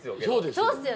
◆そうですよ。